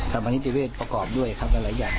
สรรพาณิชย์ดิเวศประกอบด้วยครับหลายอย่าง